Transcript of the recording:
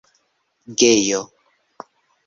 gejo